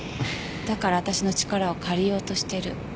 だから私の力を借りようとしてる。